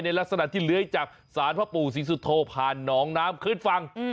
ลักษณะที่เลื้อยจากศาลพ่อปู่ศรีสุโธผ่านหนองน้ำขึ้นฝั่ง